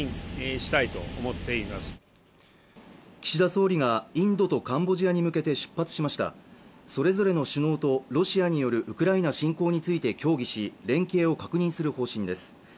岸田総理がインドとカンボジアに向けて出発しましたそれぞれの首脳とロシアによるウクライナ侵攻について協議し連携を確認する方針です